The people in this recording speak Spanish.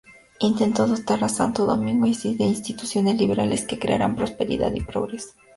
Intentó dotar a Santo Domingo de instituciones liberales que crearan prosperidad y progreso.